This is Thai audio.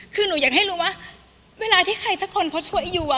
คือหนูอยากให้รู้ว่าเวลาที่ใครสักคนเขาช่วยอยู่